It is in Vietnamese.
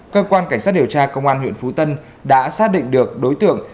cơ quan cảnh sát điều tra công an huyện phú tân đã xác định được đối tượng